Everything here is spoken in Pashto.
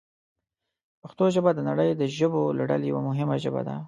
پښتو ژبه د نړۍ د ژبو له ډلې یوه مهمه ژبه ده.